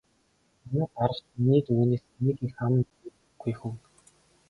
Манай дарга ч миний үгнээс нэг их ам мурийдаггүй хүн.